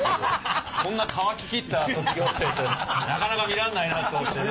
こんな乾ききった卒業生ってなかなか見らんないなと思ってね。